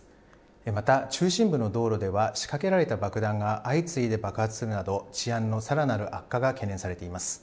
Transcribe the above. また中心部の道路では、仕掛けられた爆弾が相次いで爆発するなど、治安のさらなる悪化が懸念されています。